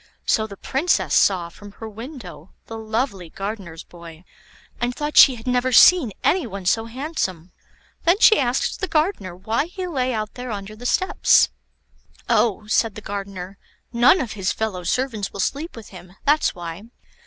So the Princess saw from her window the lovely gardener's boy, and thought she had never seen any one so handsome. Then she asked the gardener why he lay out there under the steps. "Oh," said the gardener, "none of his fellow servants will sleep with him; that's why."